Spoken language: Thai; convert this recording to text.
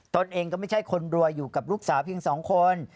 ตนเองก็ไม่ใช่คนรวยอยู่กับลูกสาวเพียง๒คน